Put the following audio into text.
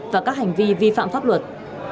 và các hành vi vi phạm pháp luật